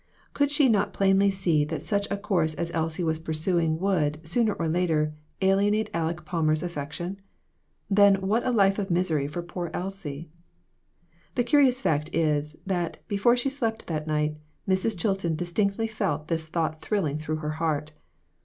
Could she not plainly see that such a course as Elsie was pursuing would, sooner or later, alienate Aleck Palmer's affection ? Then what a life of misery for poor Elsie ! The curious fact is, that, before she slept that night, Mrs. Chilton distinctly felt this thought thrilling through her heart.